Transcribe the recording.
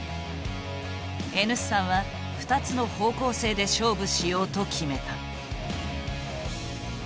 Ｎ産は２つの方向性で勝負しようと決めた。